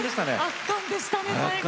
圧巻でしたね最後も。